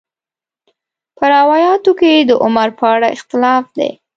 په روایاتو کې د عمر په اړه اختلاف دی.